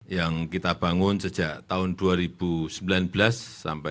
yang kita bangun sejak tahun dua ribu sembilan belas sampai dua ribu sembilan belas